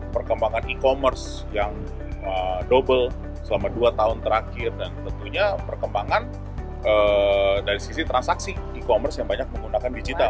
perkembangan e commerce yang double selama dua tahun terakhir dan tentunya perkembangan dari sisi transaksi e commerce yang banyak menggunakan digital